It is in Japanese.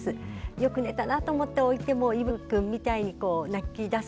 よく寝たなと思って置いてもいぶきくんみたいに泣きだす